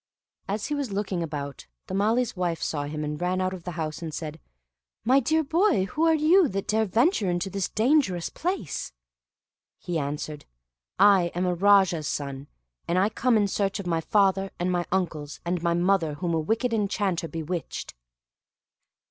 As he was looking about, the Malee's wife saw him, and ran out of the house and said, "My dear boy, who are you that dare venture to this dangerous place?" He answered, "I am a Raja's son, and I come in search of my father, and my uncles, and my mother whom a wicked enchanter bewitched."